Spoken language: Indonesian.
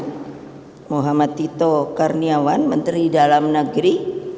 pak muhammad tito karniawan menteri dalam negeri